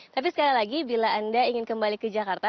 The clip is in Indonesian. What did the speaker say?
tapi sekali lagi bila anda ingin kembali ke jakarta